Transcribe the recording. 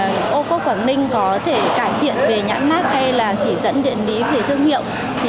nếu như là ô khúc quảng ninh có thể cải thiện về nhãn mát hay là chỉ dẫn điện lý về thương hiệu